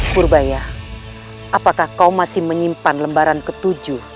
purbaya apakah kau masih menyimpan lembaran ketujuh